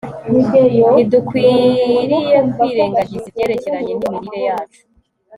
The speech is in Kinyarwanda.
ntidukwiriye kwirengagiza ibyerekeranye n'imirire yacu